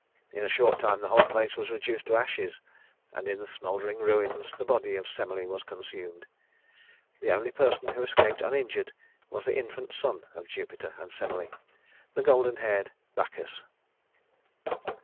In a short time the whole place was reduced to ashes, and in the smouldering ruins the body of Semele was consumed. The only person who escaped uninjured was the infant son of Jupiter and Semele, the golden haired Bacchus.